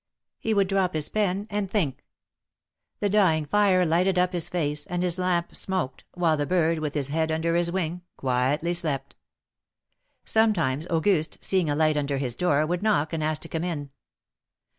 He would drop his pen and think. The dying fire lighted up his face, and his lamp smoked, while the bird, with his head under his wing, quietly slejit. Sometimes Auguste, seeing a light under his door, would knock and ask to come in.